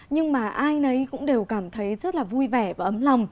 nhưng mà ai nấy cũng đều cảm thấy rất là vui vẻ và ấm lòng